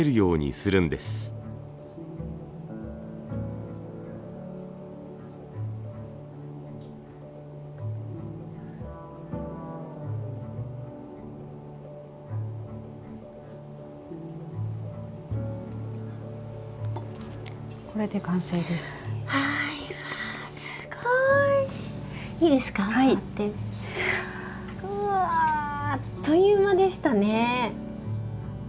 うわあっという間でしたね。